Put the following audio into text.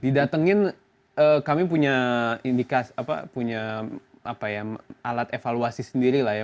didatengin kami punya alat evaluasi sendiri lah ya